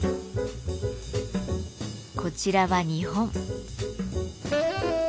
こちらは日本。